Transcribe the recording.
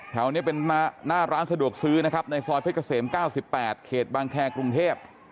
แถวนี้เป็นหน้าร้านสะดวกซื้อนะครับในซอยเพชรเกษม๙๘เขตบางแครกรุงเทพ